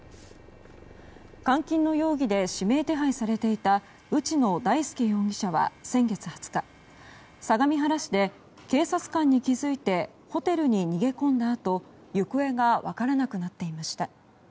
監禁の容疑で指名手配されていた内野大輔容疑者は先月２０日相模原市で、警察官に気づいてホテルに逃げ込んだあと行方が分からなくなっていました。